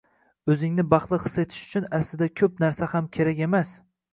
O`zingni baxtli his etish uchun aslida ko`p narsa ham kerak emas